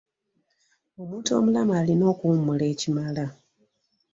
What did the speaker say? Omuntu omulamu alina okuwummula ekimala.